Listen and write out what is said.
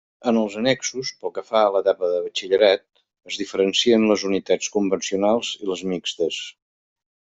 En els annexos, pel que fa a l'etapa de Batxillerat, es diferencien les unitats convencionals i les mixtes.